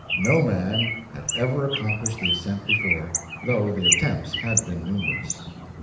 No man had ever accomplished the ascent before, though the attempts had been numerous.